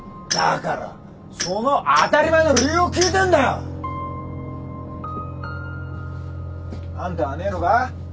だからその当たり前の理由を聞いてんだよ。あんたはねえのか？